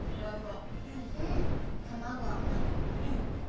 たまごあまい。